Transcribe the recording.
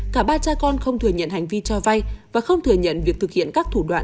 cả ba cha con không thừa nhận hành vi cho vay và không thừa nhận việc thực hiện các thủ đoạn